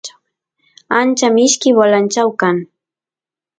ancha mishki bolanchau kan